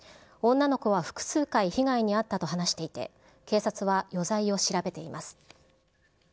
女の子は複数回被害に遭ったと話していて、警察は余罪を調べています。